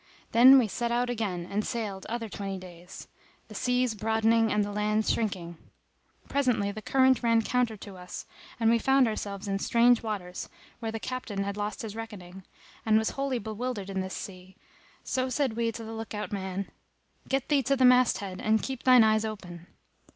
Then we set out again and sailed other twenty days, the seas broadening and the land shrinking. Presently the current ran counter to us, and we found ourselves in strange waters, where the Captain had lost his reckoning, and was wholly bewildered in this sea; so said we to the look out man,[FN#256] "Get thee to the mast head and keep thine eyes open."